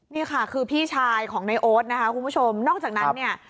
นี่ค่ะคือพี่ชายของในโอ๊ตนะคะคุณผู้ชมนอกจากนั้นเนี่ย